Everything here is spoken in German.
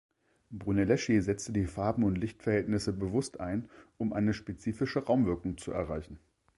Brunelleschi setzte die Farben und Lichtverhältnisse bewusst ein, um eine spezifische Raumwirkung zu erreichen.